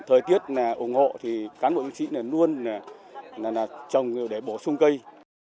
thời tiết ủng hộ thì cán bộ chiến sĩ luôn là trồng để bổ sung cây